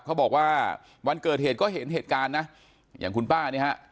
เขาบอกว่าวันเกิดเหตุก็เห็นเหตุการณ์นะอย่างคุณป้าเนี่ยฮะ